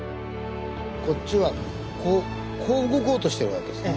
こっちはこう動こうとしてるわけですね。